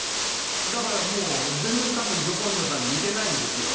だからもう全然多分ジョコンドさんに似てないんですよ。